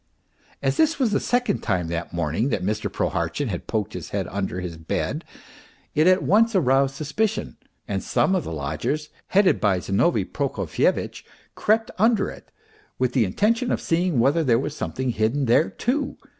As this was the second time that morning that Mr. Prohartchin had poked his head under his bed it at once aroused suspicion, and some of the lodgers, headed by Zinovy Prokofye vitch, crept under it, with the intention of seeing whether there were something hidden there too.